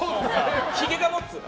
ひげが持つ！